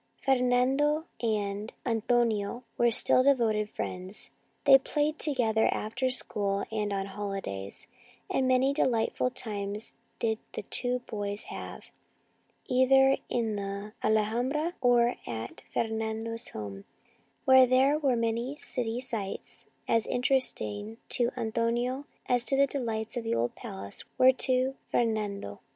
Fernando and Antonio were still devoted friends. They played together after school and on the holidays, and many delightful times did the two boys have, either in the go Our Little Spanish Cousin Alhambra or at Fernando's home, where there were many city sights as interesting to An tonio as the delights of the old palace were to Fernando.